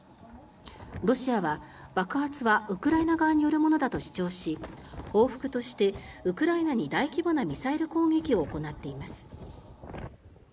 ロシアは、爆発はウクライナ側によるものだと主張し報復としてウクライナに大規模なミサイル攻撃を行っています。